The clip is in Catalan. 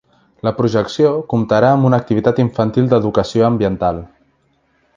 La projecció comptarà amb una activitat infantil d’educació ambiental.